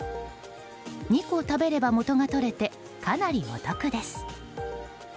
２個食べれば元が取れてかなりお得です。